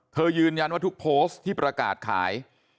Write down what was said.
ยืนยันว่าทุกโพสต์ที่ประกาศขาย